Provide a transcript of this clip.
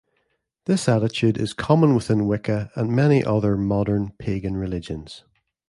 This attitude is common within Wicca and many other modern pagan religions.